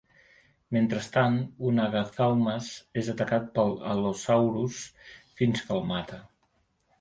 Mentrestant, un "Agathaumas" és atacat pel "Allosaurus" fins que el mata.